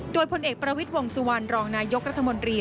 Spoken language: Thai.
โดยพลเอกประวิทย์วงสุวรรณรองนายกรัฐมนตรี